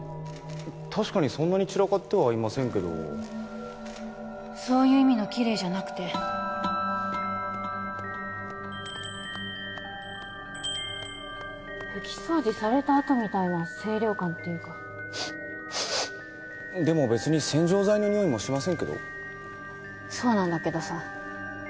確かにそんなに散らかってはいませんけどそういう意味のキレイじゃなくて拭き掃除されたあとみたいな清涼感っていうかでも別に洗浄剤のニオイもしませんけどそうなんだけどさ